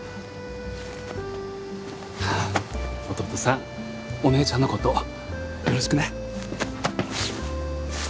弟さんお姉ちゃんの事よろしくね。